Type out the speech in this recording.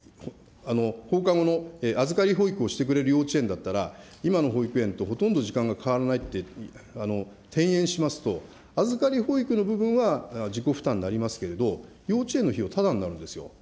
ところが、例えば幼稚園に転園する、要するに、放課後の預かり保育をしてくれる幼稚園だったら、今の保育園とほとんど時間が変わらないって転園しますと、預かり保育の部分は自己負担になりますけれども、幼稚園の費用ただになるんですよ。